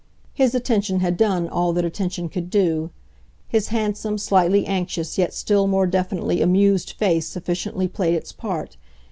His attention had done all that attention could do; his handsome, slightly anxious, yet still more definitely "amused" face sufficiently played its part.